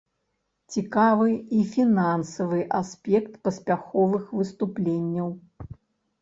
Цікавы і фінансавы аспект паспяховых выступленняў.